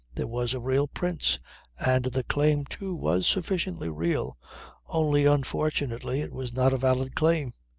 There was a real prince; and the claim too was sufficiently real only unfortunately it was not a valid claim.